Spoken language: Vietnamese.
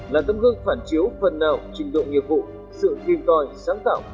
là tâm hương phản chiếu phần nào trình độ nghiệp vụ sự thiên tòi sáng tạo